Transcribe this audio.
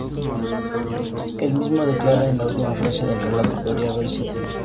Él mismo declara en la última frase del relato: Podría haber sido yo.